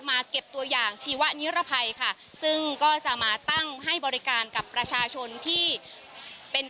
เก็บตัวอย่างชีวนิรภัยค่ะซึ่งก็จะมาตั้งให้บริการกับประชาชนที่เป็น